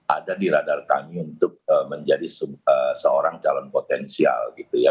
ada di radarkannya untuk menjadi seorang calon potensial